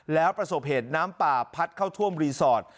แล้วประสบเหตุน้ำป่าพัดเข้าท่วมรีสอร์ท